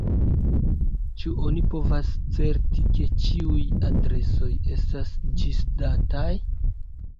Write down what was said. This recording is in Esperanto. Ĉu oni povas certi, ke ĉiuj adresoj estas ĝisdataj?